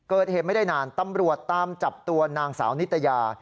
เกิดเหตุไม่ได้นานตำรวจตามจับตัวนางสาวนิตยา